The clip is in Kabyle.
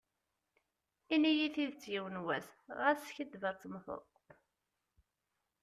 Ini-yi tidet yiwen was, ɣas skiddib ar temteḍ.